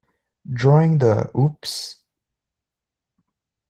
During the Oops!...